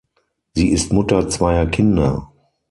Sie ist Mutter zweier Kinder.